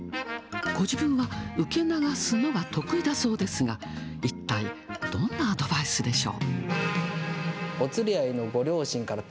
ご自分は受け流すのが得意だそうですが、一体どんなアドバイスでしょう。